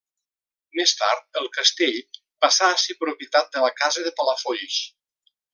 Més tard, el castell passà a ser propietat de la casa de Palafolls.